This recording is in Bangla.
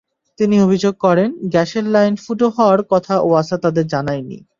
তিনি অভিযোগ করেন, গ্যাসের লাইন ফুটো হওয়ার কথা ওয়াসা তাঁদের জানায়নি।